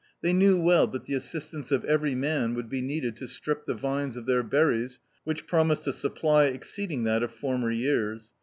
They knew well Aat the assistance of every man would be needed to strip the vines of their berries, which promised a supply exceeding that of former years.